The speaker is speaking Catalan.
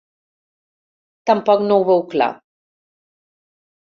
Tampoc no ho veu clar.